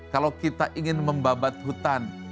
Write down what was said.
kalau kita ingin membabat hutan